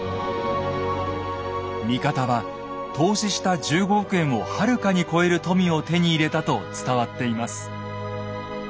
味方は投資した１５億円をはるかに超える富を手に入れたと伝わっています。